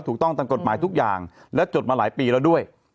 ถูกต้องตามกฎหมายทุกอย่างและจดมาหลายปีแล้วด้วย